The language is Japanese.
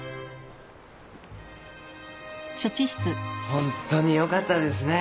ホントによかったですね。